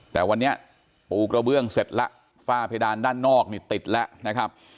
แต่วันนี้ปูกระเบื้องเสร็จแล้วฝ้าเพดานด้านนอกนี่ติดแล้วนะครับ